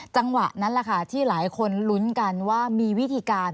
จังหวะนั้นแหละค่ะที่หลายคนลุ้นกันว่ามีวิธีการ